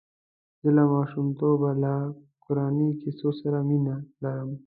زه له ماشومتوبه له قراني کیسو سره مینه لرم.